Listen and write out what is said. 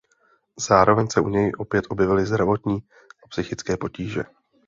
Zároveň se u něj opět objevily zdravotní a psychické potíže.